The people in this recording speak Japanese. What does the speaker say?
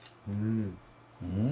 うん！